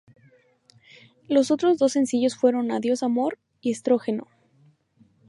Los otros dos sencillos fueron "Adiós amor" y "Estrógeno".